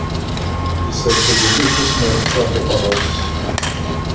Isers ugellid tasmert-is ɣef uqerru-s.